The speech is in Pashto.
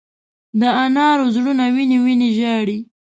د انارو زړونه وینې، وینې ژاړې